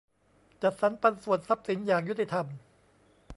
จัดสรรปันส่วนทรัพย์สินอย่างยุติธรรม